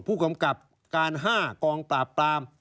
ผู้กำกับการ๕กองปราบปราม